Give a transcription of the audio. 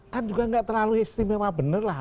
kan juga tidak terlalu istimewa bener lah